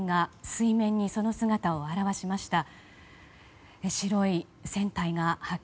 水面に姿を現しました。